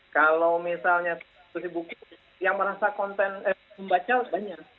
kalau misalnya si buku yang merasa membaca banyak